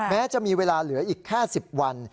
แม้จะมีเวลาเหลืออีกแค่๑๐วัน